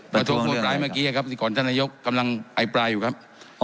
ประท้วงพูดปลายเมื่อกี้ครับที่ก่อนท่านนายกกำลังอภิปรายอยู่ครับ